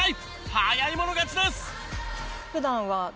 早い者勝ちです。